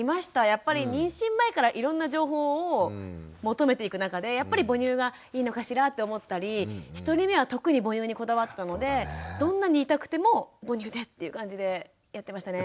やっぱり妊娠前からいろんな情報を求めていく中でやっぱり母乳がいいのかしらと思ったり１人目は特に母乳にこだわってたのでどんなに痛くても母乳でっていう感じでやってましたね。